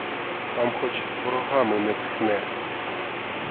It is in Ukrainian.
Там хоч ворогами не тхне.